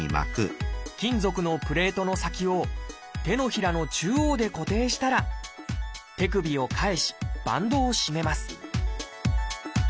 金属のプレートの先を手のひらの中央で固定したら手首を返しバンドを締めます